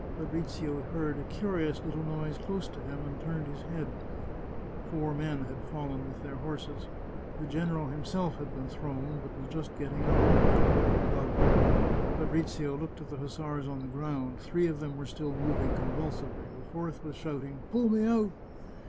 Fabrizio heard a curious little noise close to him, and turned his head. Four men had fallen with their horses ; the general himself had been thrown, but was just getting up, all covered with blood. Fabrizio looked at the hussars on the ground ; three of them were still moving convulsively, the fourth was shouting " Pull me out